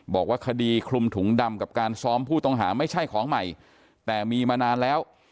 บอกว่าคดีคลุมถุงดำกับการซ้อมผู้ต้องหาไม่ใช่ของใหม่แต่มีมานานแล้ว